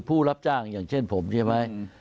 ผู้รับจ้างอย่างเช่นผมใช่ไหม